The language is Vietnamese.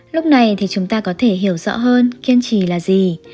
lúc này thì chúng ta có thể hiểu rõ hơn kiên trì là gì